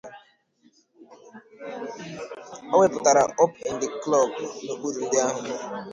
Ọ wepụtara "Up in D Club" n'okpuru ndị ahụ.